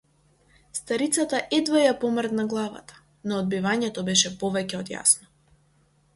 Старицата едвај ја помрдна главата, но одбивањето беше повеќе од јасно.